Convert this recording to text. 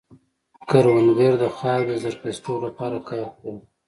کروندګر د خاورې د زرخېزتوب لپاره کار کوي